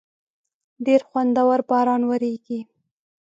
ډېر خوندور باران وریږی